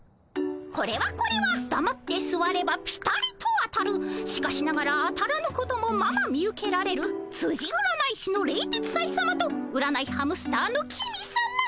これはこれはだまってすわればピタリと当たるしかしながら当たらぬこともまま見受けられるつじ占い師の冷徹斎さまと占いハムスターの公さま。